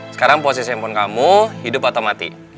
sekarang posisi handphone kamu hidup atau mati